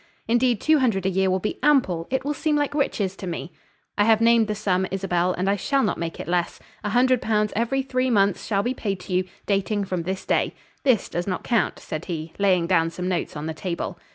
"Indeed, two hundred a year will be ample; it will seem like riches to me." "I have named the sum, Isabel, and I shall not make it less. A hundred pounds every three months shall be paid to you, dating from this day. This does not count," said he, laying down some notes on the table.